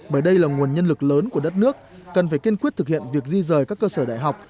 bởi đây là nguồn nhân lực lớn của đất nước cần phải kiên quyết thực hiện việc di rời các cơ sở đại học